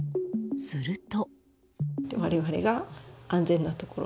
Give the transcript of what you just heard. すると。